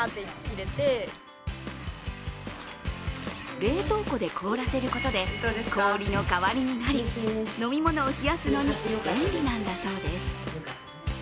冷凍庫で凍らせることで氷の代わりになり、飲み物を冷やすのに便利なんだそうです。